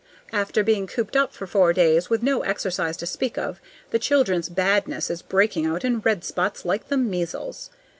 After being cooped up for four days with no exercise to speak of, the children's badness is breaking out in red spots, like the measles.